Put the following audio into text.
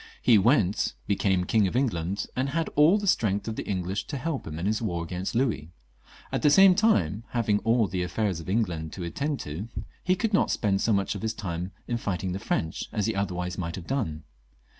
He went, became King of England, and had all the strength of the English to help him in his war against Louis. At the same time, having all the affairs of England to attend to, he could not spend so much of his time in fighting the French as he otherwise might have done.